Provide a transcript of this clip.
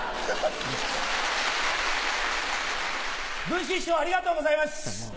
文枝師匠ありがとうございます。